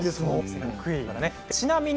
ちなみに